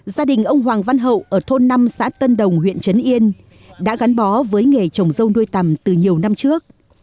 gia đình ông hoàng văn hậu ở thôn năm xã tân đồng huyện trấn yên đã gắn bó với nghề trồng dâu nuôi tầm từ nhiều năm trước